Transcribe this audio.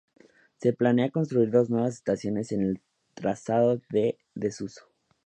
Se planea construir dos nuevas estaciones en el trazado en desuso.